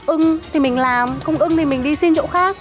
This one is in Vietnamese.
ừ thì mình làm không ưng thì mình đi xin chỗ khác